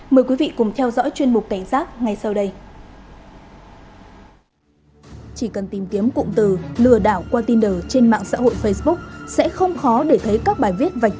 mời quý vị cùng theo dõi chuyên mục cảnh giác ngay sau đây